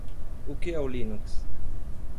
O que é o Linux?